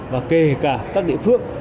và kể cả các địa phương